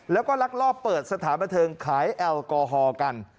แล้วก็ลักลอบเปิดสถานบันเทิงขายแอลกอฮอล์กัน